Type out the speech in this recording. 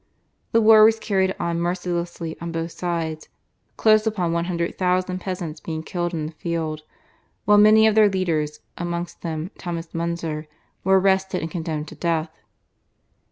The war was carried on mercilessly on both sides, close upon 100,000 peasants being killed in the field, while many of their leaders, amongst them Thomas Munzer, were arrested and condemned to death.